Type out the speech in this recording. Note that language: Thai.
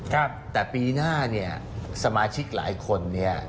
ครับแต่ปีหน้าเนี่ยสมาชิกหลายคนเนี่ย